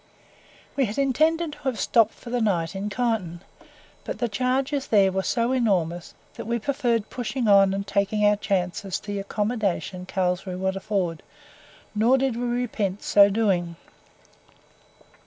We had intended to have stopped for the night in Kyneton, but the charges there were so enormous that we preferred pushing on and taking our chance as to the accommodation Carlshrue could afford, nor did we repent the so doing.